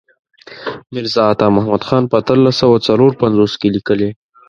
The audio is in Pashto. میرزا عطا محمد خان په اتلس سوه څلور پنځوس کې لیکلی.